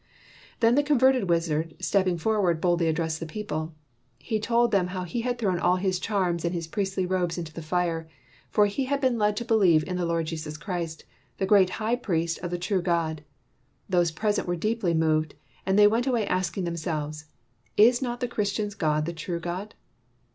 Then the converted wizard stepping for ward boldly addressed the people. He told them how he had thrown all his charms and his priestly robes into the fire; for he had been led to believe in the Lord Jesus Christ, the Great High Priest of the true God. Those present were deeply moved, and many went away asking themselves, "Is not the Christian's God the true God?"